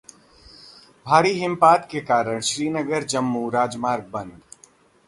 भारी हिमपात के कारण श्रीनगर-जम्मू राजमार्ग बंद